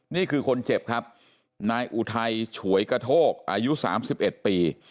นี่คือคนเจ็บครับนายอุทัยฉวยกระโทกอายุ๓๑ปี